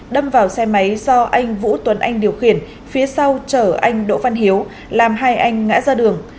đâm vào xe máy do anh vũ tuấn anh điều khiển phía sau chở anh đỗ văn hiếu làm hai anh ngã ra đường